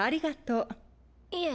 いえ。